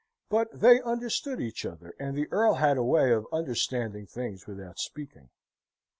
But they understood each other, and the Earl had a way of understanding things without speaking.